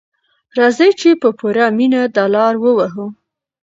راځئ چې په پوره مینه دا لاره ووهو.